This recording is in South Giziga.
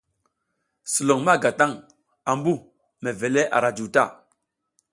Sulon ma ga taƞ ambu mevel ara juw ta.